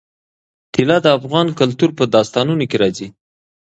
طلا د افغان کلتور په داستانونو کې راځي.